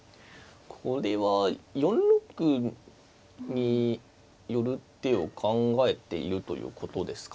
これは４六に寄る手を考えているということですかね。